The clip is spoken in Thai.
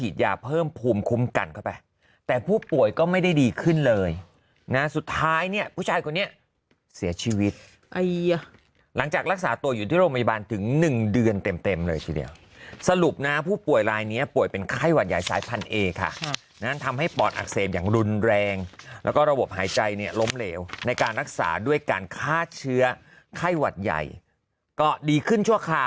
เพิ่มภูมิคุ้มกันเข้าไปแต่ผู้ป่วยก็ไม่ได้ดีขึ้นเลยนะสุดท้ายเนี่ยผู้ชายคนนี้เสียชีวิตหลังจากรักษาตัวอยู่ที่โรงพยาบาลถึง๑เดือนเต็มเต็มเลยทีเดียวสรุปนะผู้ป่วยรายนี้ป่วยเป็นไข้หวัดใหญ่สายพันเอค่ะนั้นทำให้ปอดอักเสบอย่างรุนแรงแล้วก็ระบบหายใจเนี่ยล้มเหลวในการรักษาด้วยการฆ่าเชื้อไข้หวัดใหญ่ก็ดีขึ้นชั่วค